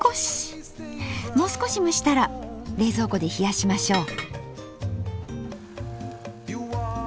もう少し蒸したら冷蔵庫で冷やしましょう。